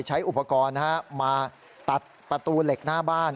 ใช้อุปกรณ์มาตัดประตูเหล็กหน้าบ้าน